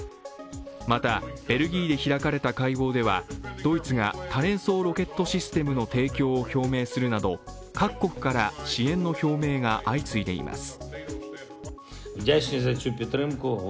またベルギーで開かれた会合ではドイツが多連装ロケットシステムの提供を表明するなど各国から支援の表明が相次いでいます。